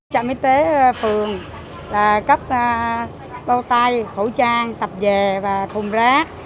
trạm y tế phường là cấp bao tay khẩu trang tập về và thùng rác